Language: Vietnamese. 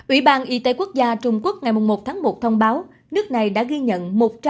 ủy ban y tế quốc gia trung quốc ngày một tháng một thông báo nước này đã ghi nhận